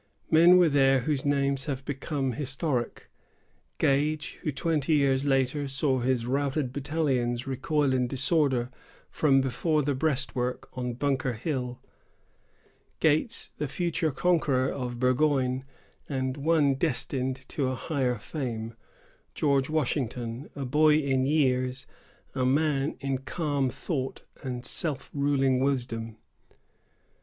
Men were there whose names have become historic: Gage, who, twenty years later, saw his routed battalions recoil in disorder from before the breastwork on Bunker Hill; Gates, the future conqueror of Burgoyne; and one destined to a higher fame,——George Washington, a boy in years, a man in calm thought and self ruling wisdom.